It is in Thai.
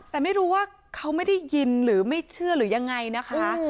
แต่ไม่รู้ว่าเขาไม่ได้ยินหรือไม่เชื่อหรือยังไงนะคะ